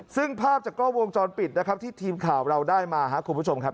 ซึ่งภาพจากกล้องวงจรปิดนะครับที่ทีมข่าวเราได้มาครับคุณผู้ชมครับ